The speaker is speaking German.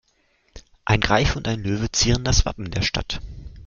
Ein Greif und ein Löwe zieren das Wappen der Stadt.